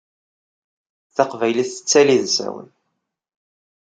Taqbaylit tettali d asawen!